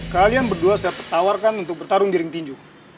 kalian berdua saya tawarkan untuk bertarung jaring tinju